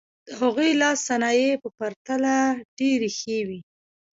د هغوی لاسي صنایع په پرتله ډېرې ښې وې.